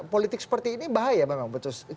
politik seperti ini bahaya memang betul